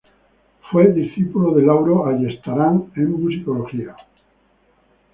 Fue discípulo de Lauro Ayestarán en musicología.